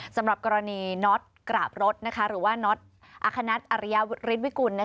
สำหรับกรณีน็อตกราบรถหรือว่าน็อตอคนัทอริยฤทธวิกุล